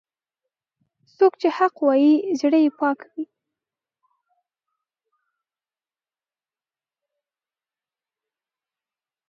څوک چې حق وايي، زړه یې پاک وي.